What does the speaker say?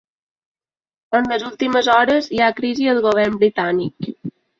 En les últimes hores hi ha crisi al govern britànic.